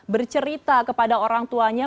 bercerita kepada orang tuanya